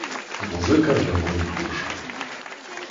Muzyka dla moich uszu.